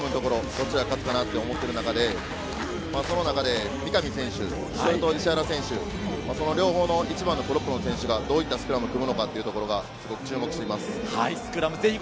どちらが勝つかなと思っている中で、三上選手、石原選手、両方の１番のプロップの選手がどういったスクラムを組むのか注目しています。